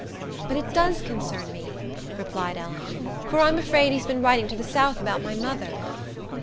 "But it does concern me," replied Ellen; "for I'm afraid he's been writing to the south about my mother."